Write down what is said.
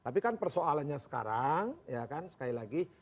tapi kan persoalannya sekarang ya kan sekali lagi